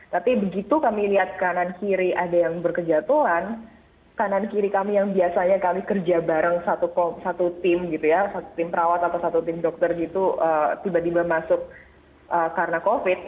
tapi begitu kami lihat kanan kiri ada yang berkejatuhan kanan kiri kami yang biasanya kali kerja bareng satu tim gitu ya tim perawat atau satu tim dokter gitu tiba tiba masuk karena covid